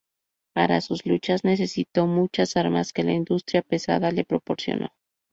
Para sus luchas necesitó muchas armas que la industria pesada le proporcionó.